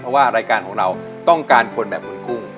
เพราะว่ารายการของเราต้องการคนแบบคุณกุ้ง